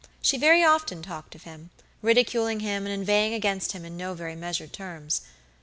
She very often talked of him, ridiculing him and inveighing against him in no very measured terms.